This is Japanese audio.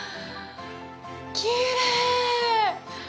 きれーい！